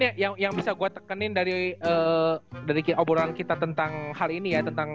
ya yang bisa gue tekenin dari oboran kita tentang hal ini ya